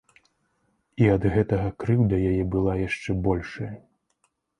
І ад гэтага крыўда яе была яшчэ большая.